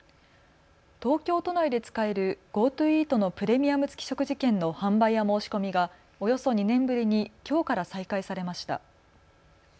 東京都内で使えるＧｏＴｏイートのプレミアム付き食事券の販売や申し込みがおよそ２年ぶりにきょうから再開されました。